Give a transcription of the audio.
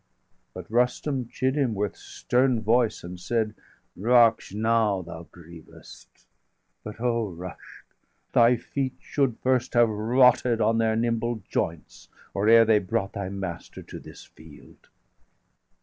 °736 But Rustum chid him with stern voice, and said: "Ruksh, now thou grievest; but, O Ruksh, thy feet Should first have rotted on their nimble joints, Or ere they brought thy master to this field!"